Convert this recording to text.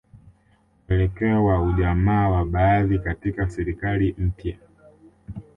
Mwelekeo wa ujamaa wa baadhi katika serikali mpya